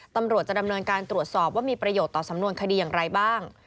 ตำรวจจะดำเนินการตรวจสอบว่ามีประโยชน์ต่อสำนวนคดีอย่างไรบ้าง